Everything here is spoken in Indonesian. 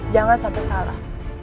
jangan sampai salah